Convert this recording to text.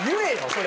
それ。